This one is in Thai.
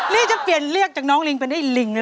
นี่จะเปลี่ยนเรียกจากน้องลิงไปได้ลิงเลย